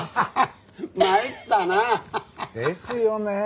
ですよね？